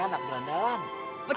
harapan murahnya spikes